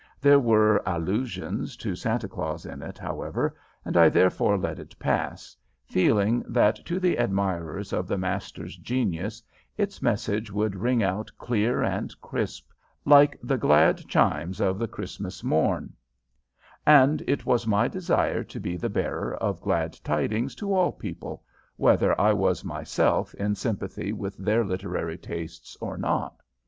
There were allusions to Santa Claus in it, however, and I therefore let it pass, feeling that to the admirers of the master's genius its message would ring out clear and crisp like the glad chimes of the Christmas morn; and it was my desire to be the bearer of glad things to all people, whether I was myself in sympathy with their literary tastes or not.